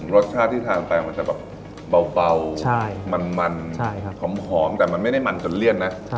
รสชาติที่ทานไปมันจะแบบเบามันหอมแต่มันไม่ได้มันจนเลี่ยนนะ